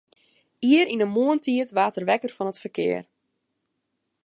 Ier yn 'e moarntiid waard er wekker fan it ferkear.